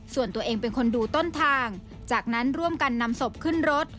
ส่วนตัวเองเป็นคนดูต้นทางจากนั้นร่วมกันนำศพขึ้นรถ